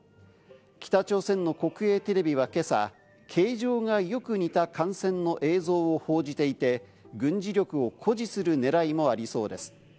北朝鮮の国営テレビは今朝、形状がよく似た艦船の映像を報じていて、軍事力を誇示する狙いもありそうです。